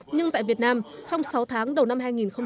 nhưng tại việt nam trong sáu tháng đầu năm hai nghìn hai mươi